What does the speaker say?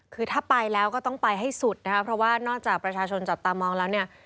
คือถ้าไปแล้วก็ต้องไปให้สุดนะคะเพราะว่านอกจากประชาชนจับตามองแล้วเนี่ย